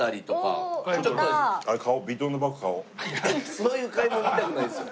そういう買い物見たくないんですよ。